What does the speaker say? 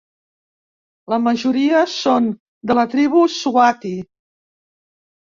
La majoria són de la tribu swati.